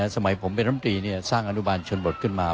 สมัยผมเป็นรำตรีสร้างอนุบาลชนบทขึ้นมา